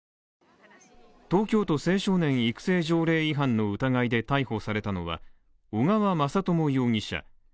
東京都青少年育成条例違反の疑いで逮捕されたのは小川雅朝容疑者。